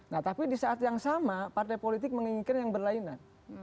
nah tapi di saat yang sama partai politik menginginkan yang berlainan